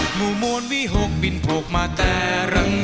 หมู่มวลวิหกบินโผลกมาแต่รัง